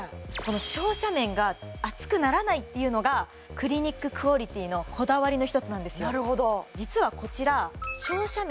照射面が熱くならないっていうのがクリニッククオリティのこだわりの一つなんですよ